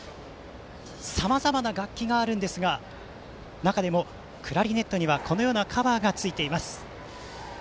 さまざまな楽器があるんですが中でもクラリネットにはこのようなカバーがついています。